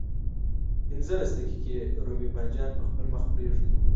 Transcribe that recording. پنځلس دقيقې رومي بانجان په خپل مخ پرېږدئ.